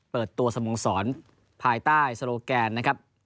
เปิดตัวสโมสรภายใต้โซโลแกนนะครับ